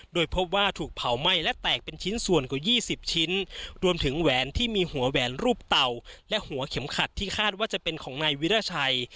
โดยพบว่าถูกเผาไหม้และแตกเป็นชิ้นส่วนกว่า๒๐ชิ้นรวมถึงแหวนที่มีหัวแหวนรูปเต่าและหัวเข็มขัดที่คาดว่าจะเป็นของนายวิราชัย